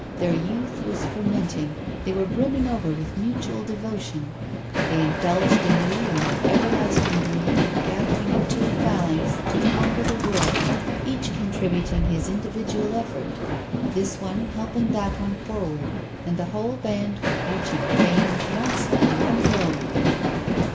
Their youth was fermenting, they were brimming over with mutual devotion; they indulged anew in their everlasting dream of gathering into a phalanx to conquer the world, each contributing his individual effort; this one helping that one forward, and the whole band reaching fame at once in one row.